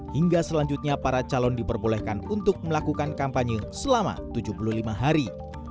hingga selanjutnya para calon diperbolehkan untuk melakukan kampanye selama tujuh puluh lima hari